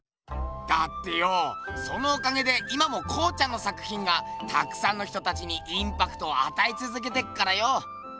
だってよそのおかげで今も康ちゃんの作品がたくさんの人たちにインパクトをあたえつづけてっからよ。